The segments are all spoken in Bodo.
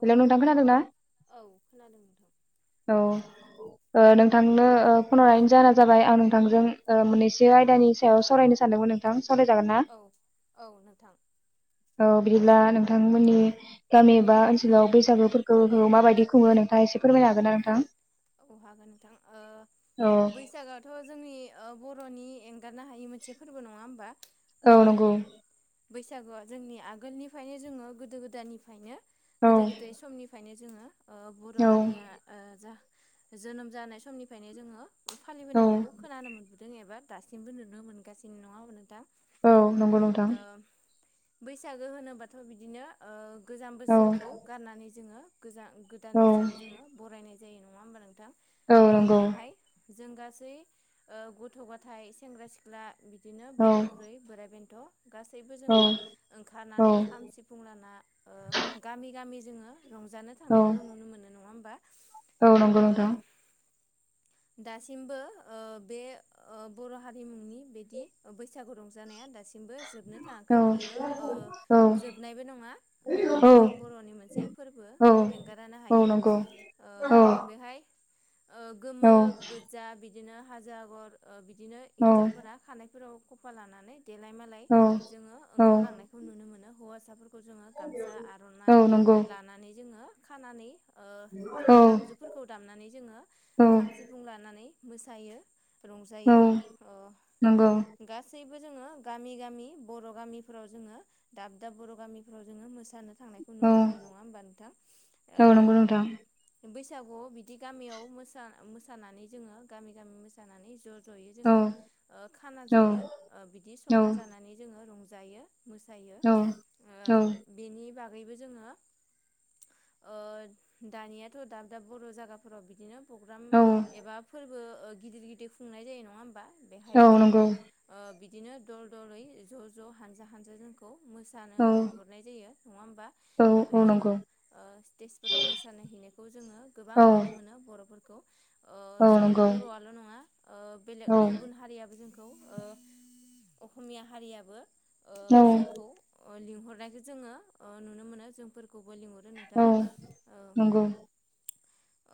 हेल' नोंथां खोनादों ना? औ खोनादों नोंथां। औ नोंथांनो फन हरनि जोना जाबाय आं नोंथांजों मोननैसो आयदानि सायाव सावरायनो सानदोंमोन नोंथां। सावरायजागोन ना औ औ नोंथां। औ बिदिला नोंथांमोननि गामि बा ओनसो बैसागुफोरखौ औ हो माबायदि खुो नोंथाङा एसे फोरमायनो हागोन ना नोंथां? औ हागोन नोंथां औ बैसागआथ' जोंनि बर' बर'नि एंगारनो हायै मोनसे फोरबो नङा होमबा। औ नंगौ बैसागुआ जोंनि आगोलनिफ्रायनो जोङो गोदो गोदायनिफ्रायनो औ गोदो गोदाय समनिफ्रायनो जोङो बर' औ हारिया जा जोनोम जानाय समनिफ्रायनो जोङो। फालिबोनायखौ औ खोनानो मोनबोदों एबा दासिमबो नुनो मोनगासिनो नङा होमबा नोंथां। औ नंगौ नोंथां। ओ बैसागो होनोबाथ' बिदिनो गोजाम बोसोरखौ औ गारनानै जोङो गोजान गोदान औ बोसोरखौ जोङो बरायनाय जायो नङा होमबा नोंथां। औ ओ नंगौ। बेहाय जों गासै गथ' गथाय सेंग्रा सिख्ला बिदिनो औ बोराइ बुरै बोराय बेन्थ गासैबो जों औ औ ओंखारनानै खाम सिफुं लाना गामि गामि जोङो रंजानो औ थांनायखौ नुनो मोनो नङा होमबा। औ नंगौ ओ नोंथां। [inaudible] दासिमबो बे बर' हारिमुनि बिदि बैसागु रंजानाया दासिम दासिमबो जोबनो थाङाखै औ बियो औ जोबनायबो नङा औ बियो बर'नि मोनसे फोरबो औ एंगारनो औ नंगौ हायो औ बेहाय। गोमो औ गोजजा बिदिनो हाजो आगर बिदिनो औ हिन्जावफोरा खानायफोराव खफा लानानै देलाय मालाय औ जोङो औ ओंखारलांनायखौ नुनो मोनो हौवासा जों गामसा आर'नाय औ नंगौ लानानै जों खानानै ओ औ दामजुफोरखौ दामनानै जोङो औ खाम सिफुं लानानै मोसायो। औ रंजायो नंगौ गासैबो जोङो गामि गामि बर' गामिफ्राव जोङो दाब दाब बर' गामिफ्राव जोङो मोसानो थांनायखौ औ नुनो मोनो नङा होमबा नोंथां। औ नंगौ नोंथां बैसागु बिदि गामियाव मोसानानै जोङो गामि गामि मोसानानै ज' जयै औ जोङो खाना औ जायो बिदि औ संना जानानै जोङो रंजायो मोसायो औ औ बेनि बा बगैबो जोङो दानियाथ' दाब दाब बर' जायगाफोराव बिदिनो प्रग्राम औ एबा फोरबो गिदिर गिदिर खुंनाय जायो नङा होमबा। औ बेहायबो जोंखौ नंगौ बिदिनो दल दलै ज' ज' हानजा हानजा जोंखौ औ मोसानो लिंहरनाय जायो नङा होमबा औ औ बेवहाय जोङो नंगौ स्टेजफोराव मोस हैैनो खौ जोङो औ गोबां नुनो मोनो बर'फोरखौ ओ औ नंगौ औ जोंनि नंगौ बर'आल' नङा ओ बेलेग औ गुबुन हारियाबो जोंखौ खौ ओ अखमिया हारियाबो ओ औ जोंखौ ओ लिंहरनायखौ जोङो ओ नुनो मोनो जोंफोरखौबो लिंहरो नोंथां औ ओ।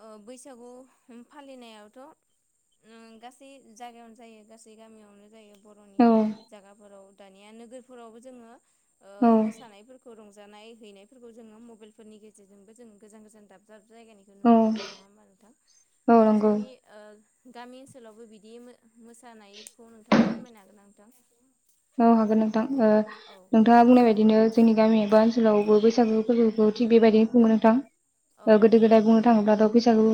ओ बैसागु फालिनायावथ' ओं गासै जायगायावनो जायो गासै गामियावनो जायो। बर'नि जागाफोराव दानिया नोगोरफोरावबो जोङो ओ मोसानायफोरखौ रं जानाय हैनायफोरखौ जोङो मबाइलफोरनि गेजेरजोंबो जों गोजान गोजान दाब दाब जायगानिखौ नुनो मोनो नङा होमबा नोंथां? नंगौ औ नोंसोरनि ओ गामि ओनसोलावबो बिदि मो मोसानायखौ नोंथाङा फोरमायनो हागोन ना नोंथां? औ हागोन नोंथां ओ औ नोंथाङा बुंनाय बायदिनो जोंनि गामि एबा ओन ओनसोलावबो बैसागु फोरबोखौ थिग बेबायदिनो खुङो नोंथां। औ ओ गोदो नंगौ गोदाय बुंनो थाङोब्लाथ' बैसागु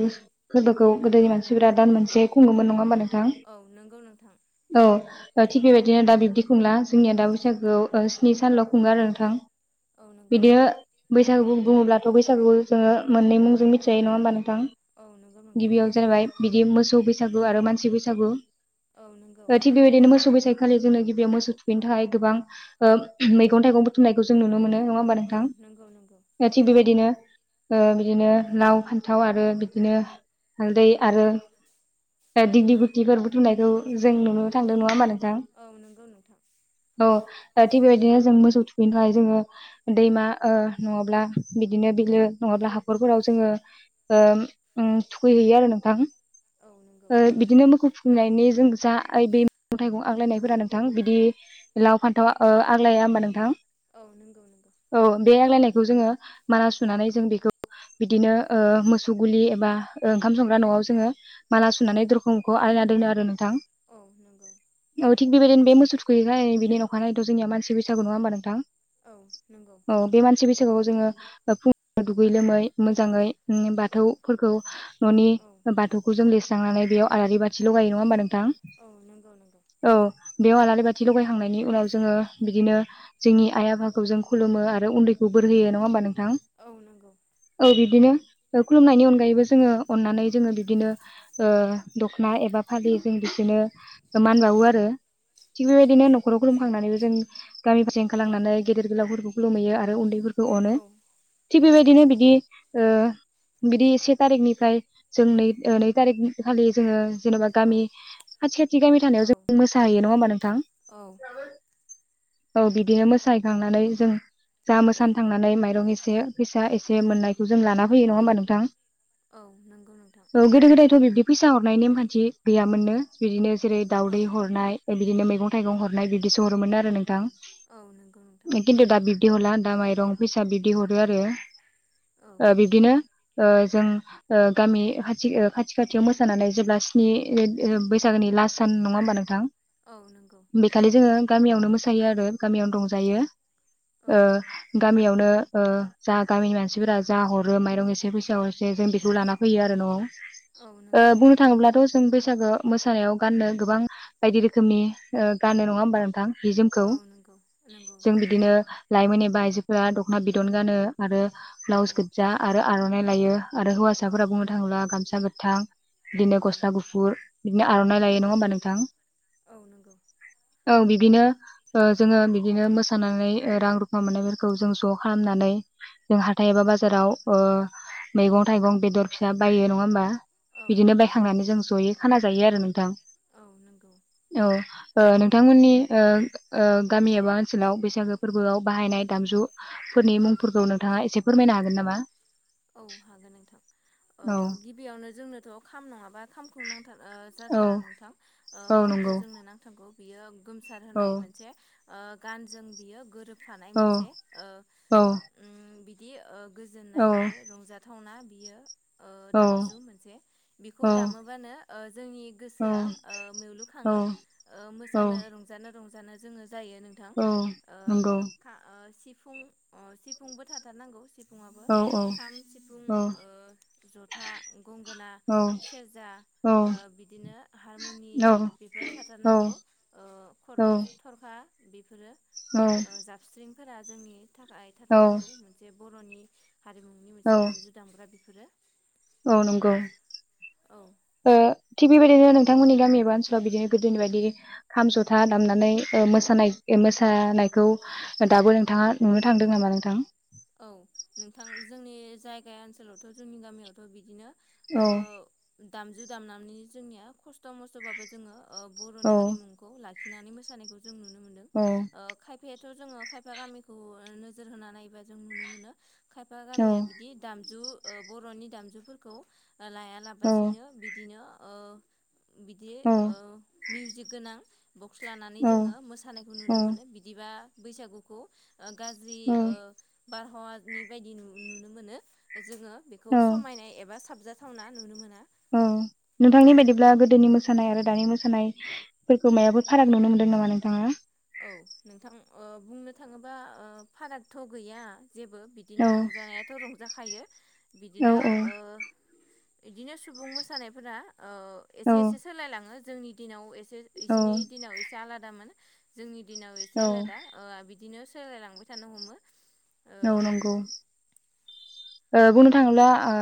फोरबोखौ गोदोनि मानसिफोरा दान मोनसे खुङोमोन नङा होमबा नों औ नंगौ नोंथां। ओ थिग बेबायदिनो दा बिबदि खुंला जोंनिया दा बैसागोआव ओ स्नि सानल' औ खुङो आरो नोंथां औ नंगौ बिदि बै बैसागु बुङोब्लाथ' बैसागुखौ जोङो मोननै मुंजों मिथिजायो नङा होनबा नों थां औ नंगौ नोंथां गिबियाव जागायबाय बिदि मोसौ बैसागु आरो मानसि बैसागु। औ नंगौ ओ थिग बेबायदिनो मोसौ बेसागो खालि जोंनो गिबियाव मोसौ थुखैनो थाखाय गोबां ओ मैगं थाइगं बुथुमनायखौ जों नुनो मोनो। नङा होमबा औ नोंथां? नंगौ नंगौ ओ थिग बेबायदिनो ओ बिदिनो लाव फान्थाव आरो बिदिनो हालदै आरो दिगलि गुथिफोर बुथुमनायखौ जों औ नुनो थांदों नङा होमबा नोंथां? औ नंगौ नोंथां [unintelligible] औ ओ थिग बेबायदिनो जों मोसौ थुखैनोखाय जोङो दैमा ओ नङाब्ला बिदिनो बिलो नङाब्ला हाखरफोराव जोङो ओ उम थुखैहैयो आरो नोंथां। औ नंगौ ओ बिदिनो मोखौ थुखैनायनि जों जा ए बे मेगं थाइगं आग्लायनायफोरा नोंथां बि दि लाव फान्थाव ओ आग्लाया होनबा नोंथां? औ नंगौ नंगौ औ बे आग्लायनाय बेखौ जोङो माला सुनानै जों बेखौ बिदिनो ओ मोसौ गुलि एबा ओ ओंखाम संग्रा न'आव जोङो माला औ सुनानै दरखं मोखांआव आलाय ना दोनो आरो नोंथां औ नंगौ न'थिं बेबायदिनो बे मोसौ थु खैयोखाय बिनि नखानायैथ' जोंनिया मानसि बैसागु नङा होमबा नोंथां? औ नंगौ औ बे मानसि बैसा गुआव जोङो ओ फुंआव दुगै लोमै मोजाङै उम बाथौफोरखौ न'नि औ बाथौखौ जों लिरस्रांनानै बेयाव आलारि बाथि लगायो नङा होमबा नों थां औ नंगौ नंगौ औ बेयाव आलारि बाथ थि लगायखांनायनि उनाव जोङो बिदिनो जोंनि आइ आफाखौ जों खुलुमो आरो उन्दै खौ बोर औ होयो नङा होमबा नोंथां? औ नंगौ औ बिद बिदिनो ओ खुलुमनायनि अनगायैबो जोङो अननानै जोङो बिबदिनो ओ दख'ना एबा फालि बिजों बिदिनो मान बावो औ आरो थिग औ बेबायदिनो नख'राव खुलुमखां नानै जों गामि फारसे ओंखारलांनानै गेदेर गोलावफोरखौ खुुलुमहैयो आरो उन्दैफोर खौ अनो औ थिग औ बेबायदिनो बिदि ओ बिदि से थारिखनिफ्राय जों नै ओ नै थारिख खालि जोङो जेनेबा गामि खाथि खाथि गामि थानायाव औ जों मोसाहैयो नङा होमबा नों औ औ बिदिनो मोसाहैखांनानै जों जा मोसानो थांनानै माइरं एसे फैसा एसे मोननायखौ जों लाना फैयो नङा होमबा नोंथां? औ नंगौ नोंथां। औ गोदो गोदायथ' बिब्दि फैसा हरनाय नेमखान्थि गैयामोननो बिदिनो जेरै दावदै औ हरनाय बिदिनो मै मैगं थाइगं हरनाय बिदिसो हरोमोननो आरो नोंथां। औ नंगौ नोंथां। बिदि हरला दा माइरं फैसा दा बिदि हरो आरो औ बिदिनो ओ जों ओ गामि खा खाथि खाथियाव मोसानानै जेब्ला स्नि बैसागोनि लास्ट सान नङा होमबा नोंथां? औ नंगौ बेखालि जोङो गामियावनो मोसायो आरो गामियावनो रंजायो औ ओ गामियावनो ओ जा गामिनि मानसिफोरा जा हरो माइरं एसे फैसा जे जों औ बेखौ लाना फैयो आरो नआव औ ओ नंगौ बुंनो थाङोब्लाथ जों बैसागो मोसानायाव गाननो गोबां बायदि रोखोमनि ओ गानो नङा होमबा नोंथां? जि जोमखौ औ नंगौ नंगौ जों बिदिनो लाइमोन एबा आइजोफोरा दखना बिदन गानो आरो औ ब्लाउस गोजा आरो आरनाइ लायो आरो औ हौवासाफोरा बुंनो थाङोब्ला गामसा गोथां बिदिनो औ गस्ला गुफुर बिदिनो आरनाइ लायो नङा होमबा नोंथां औ नंगौ औ बिदिनो ओ जोङो बिदिनो मोसानानै रां रुफा मोननायफोरखौ जों ज खालामनानै जों हाथाय एबा बाजाराव ओ मैगं थाइगं बेदर फिसा बायो नङा होमबा औ बिदिनो नंगौ बायखांनानै जों जयै खाना जायो आरो नोंथां औ नंगौ औ ओ नोंथांमोननि ओ गामि एबा ओनसोलाव बैसागो फोरबोआव बाहायनाय दामजु फोरनि मुंफोरखौ नोंथाङा एसे फोरमायनो हागोन नामा? औ हागोन नोंथां ओ औ गिबियावनो जोंनोथ खाम नङाबा खामखौ नां ओ औ जाथारा नोंथां ओ औ खामखौ नंगौ जोंनो नांथारगौ बियो गोमसार औ होनाय मोनसे ओ गानजों बियो गोरोब थानाय औ मोनसे ओ औ ओम बिदि ओ गोजोननाय औ बिदि रंजाथ थावना बियो ओ औ दामजु मोनसे बेखौ दामोबानो ओ जोंनि गोसोआ ओ मेवलु खां औ खाङो ओ औ मोसानो रंजानो रंजानो जोङो जायो नोंथां औ नंगौ सिफुं अ सिफुंबो थाथारनांगौ सिफुंआबो ओ औ औ खाम सिफुं औ जथा गंगोना औ सेरजा औ ओ बिदिनो हारमुनि बेफोर औ थाथारनांगौ ओ खर थरखा बेफोरो ओ जाबस्रिंफोरा जोंनि थाखाय औ थाथारनांगौ मोनसे बर नि हारिमुनि मोनसे औ दामजु दामग्रा बेफोरो औ नंगौ औ ओ थिग बेबायदिनो नों थांमोननि गामि एबा ओनसोलाव बिदिनो गोदोनि बायदि खाम जथा दामनानै ओ मोसानाय मोसानाय खौ दाबो नोंथाङा नुनो थांदों नामा नोंथां? औ नोंथां जोंनि जायगा ओनसोलावथ जोंनि गामियावथ बिदिनो औ ओ दामजु दामनानै जोंनिया खस्थ मस्थ बाबो जोङो ओ औ बरनि हारिमुखौ लाखि लाखिनानै मोसानायखौ जों नुनो मोन्दों औ ओ खायफाया थ जोङो खायफा गामिखौ ओ नोजोर होना नायोबा जों नुनो मोनो खायफा गामिया बिदि दामजु बर नि दामजुफोरखौ लाया औ लाबासिनो बिदिनो ओ बिदि औ ओ मिउजिक गोनां बक्स लानानै औ जोङो मोसानायखौ नुनो मोनो बिदिबा बैसागुखौ ओ गाज्रि औ ओ बारहावानि बायदि नुनो मोनो जोङो बेखौ औ समायनाय एबा साबजाथावना नुनो मोनो। औ नोंथांनि बायदिब्ला गोदोनि मोसानाय आरो दानि मोसानायफोरखौ मायबा? फोर फाराग नुनो मोनदों जेनेबा नोंथाङा औ नोंथां ओ बुंनो थाङोबा ओ फारागथ गैया जेबो बिदिनो औ रंजानायाथ रंजाखायो औ बिदिनो ओ बिदिनो सुबुं मोसानायफोरा औ एसे एसे सोलायलाङो जोंनि दिनाव औ इसिनि दिनाव एसे आलादामोन जोंनि दिनाव एसे औ आलादा ओ आ बिदिनो सोलायलांबाय थानो हमो ओ नौ नंगौ ओ बुंनो थाङोब्ला ओ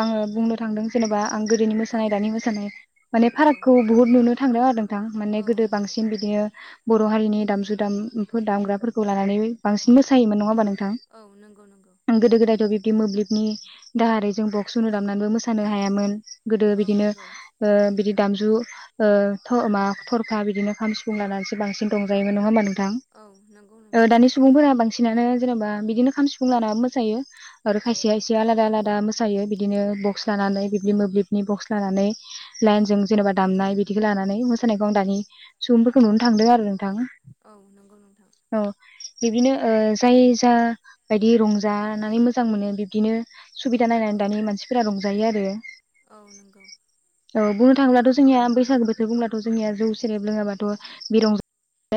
आङो बुंनो थांदों जेनेबा आं गोदोनि मोसानाय औ दानि मोसानाय माने औ फारागखौ बुहुत नुनो थांदों आरो नों थां माने औ गोदो नोंथां औ बांसिन बिदिनो बर हारिनि दामजु दाम-दामग्राफोरखौ लानानै बांसिन मोसायोमोन नङाबा नों औ नंगौ नंगौ थां गोदो गोदायथ बिब्दि मोब्लिबनि दाहारै जों बक्स उनु दामनानैबो मोसानो औ हायामोन गोदो औ बिदिनो नंगौ ओ बिदि दामजु ओ थ मा थरफा बिदिनो खाम सिफुं लानानैसो बांसिन रंजायोमोन नङा ओमबा नों थां औ नंगौ ओ नोंथां दानि सुबुंफोरा बांसिनानो जेनेबा बिदिनो खाम सिफुं लानानै मोसायो आरो औ खायसेया आलादा आलादा मोसायो बिदिनो बक्स औ लानानै नंगौ बिबदि मोब्लिबनि बक्स लानानै औ लाइनजों जेनबा दामनाय बिदिखौ लानानै मोसानायखौ आं दानि सुबुंफोरखौ नुनो थांदों आरो नोंथां औ नोंगौ नोंथां औ बिब्दिनो ओ जाय जा बायदि रंजानानै मोजां मोनो बिब्दिनो सुबिदा औ नायनानै दानि मानसिफोरा रंजायो आरो औ नंगौ औ बुंनो थाङोब्लाथ जोंनिया बैसागो बोथोर बुंब्लाथ जोंनिया जौ सेरेब लोङाब्लााथ बि रंज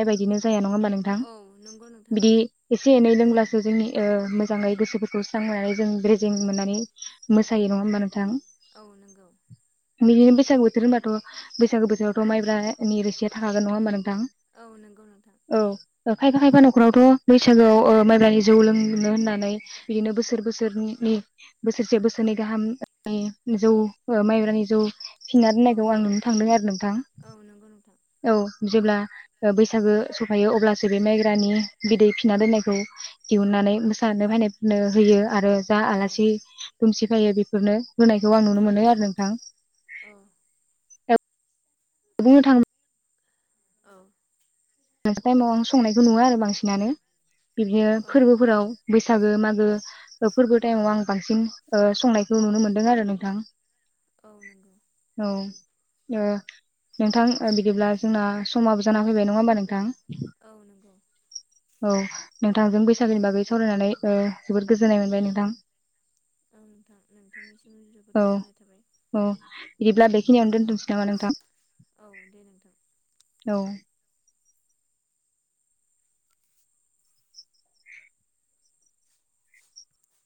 बेबायदिनो जाया नं नङा ओमबा औ नंगौ नोंथां नोंथां बिदि एसे एनै लोंब्लासो जोंनि ओ मोजाङै गोसो खौ स्रांनानै जों रेजें मोननानै मोसायो नङा होमबा नोंथां औ नोंगौ बिदिनो बैसागु बोथोर होनबाथ बैसागो बोथोरावथ मब्रानि रोसिया थाखागोन नङा होनबा नों औ नोंगौ नोंथां ओ खायफा खायफा नखरावथ बैसागोआव ओ माइब्रै जौ लोंनो होननानै बिदिनो बोसोर बोसोरनि नि बोसोरसे बोसोरनै गाहाम नि जौ ओ माइब्रानि जौ फिनना औ दोननायखौ आं नुनो थांदों आरो नोंथां औ नंगौ नोंथां औ जेब्ला ओ बैसागो सफायो अब्लासो बे माइग्रानि बिदै फिना दोननायखौ दिहुनना आनै मोसानो फायनायफोरनो होयो आरो जा औ आलासि दुमसि फायो बेफोरनो होनायखौ आं नुनो मोनो आरो नोंथां औ बुंनो थां औ लान्स टाइमाव आं संनायखौ नुवा आरो बांसिनानो बिदिनो औ फोरबोफोराव बैसागो मागो फोरबो टाइमाव आं बांसिन ओ संनायखौ नुनो मोनदों आरो नोंथां औ नंगौ औ ओ नोंथां ओ बिदिब्ला जोंना समाबो जाना फैबाय नङा होमबा नोंथां औ नोंगौ औ नोंथांजों बैसागोनि बागै सावरायनानै ओ जोबोद गोजोननाय मोनबाय नोंथां औ नोंथां नोंथांनिसिम जोबोद [inaudible] औ गोजोननाय थाबाय औ बिदिब्ला बेखिनियावनो दोनथसै नामा नोंथां औ दे नोंथां औ